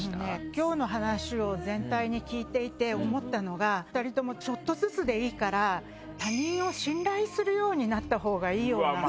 今日の話を全体に聞いていて思ったのが２人ともちょっとずつでいいから他人を信頼するようになったほうがいいような。